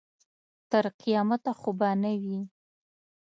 تر قیامته خو به نه وي.